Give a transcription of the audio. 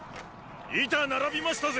板並びましたぜ！